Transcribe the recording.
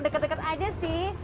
deket deket aja sih